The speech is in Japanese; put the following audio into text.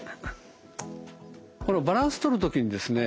このバランスとる時にですね